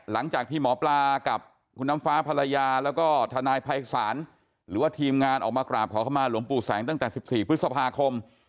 หลังจากที่หมอปลากับคุณน้ำฟ้าภรรยาแล้วก็ทนายภัยศาลหรือว่าทีมงานออกมากราบขอเข้ามาหลวงปู่แสงตั้งแต่๑๔พฤษภาคม